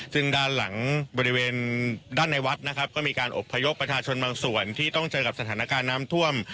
ซึ่งด้านหลังบริเวณด้านในวัดนะครับก็มีการอบพยพประชาชนบางส่วนที่ต้องเจอกับสถานการณ์น้ำท่วม